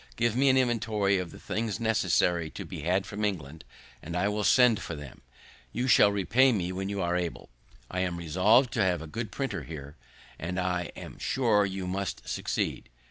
Give me an inventory of the things necessary to be had from England, and I will send for them. You shall repay me when you are able; I am resolv'd to have a good printer here, and I am sure you must succeed."